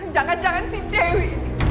jangan jangan si dewi